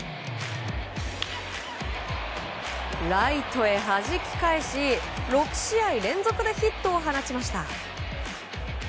ライトへはじき返し６試合連続でヒットを放ちました。